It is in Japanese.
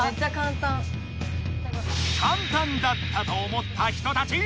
「簡単だった」と思った人たち！